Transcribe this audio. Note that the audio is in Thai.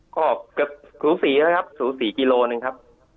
ก็สูงสี่นะครับสูงสี่กิโลนึงครับ